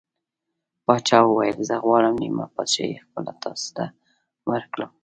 پاچا وویل: زه غواړم نیمه پادشاهي خپله تاسو ته ورکړم.